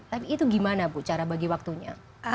tapi itu gimana bu cara bagi waktunya